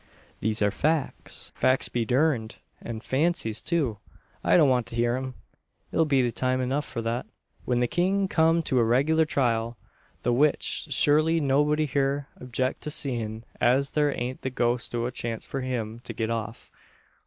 "There are facts !" "Facts be durned! An' fancies, too! I don't want to hear 'em. It'll be time enuf for thet, when the thing kum to a reg'lar trial; the which shurly nob'dy hyur'll objeck to seein' as thur aint the ghost o' a chance for him to git off.